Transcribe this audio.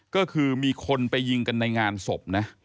ก็คือมีคนไปยิงกันในงานศพนะ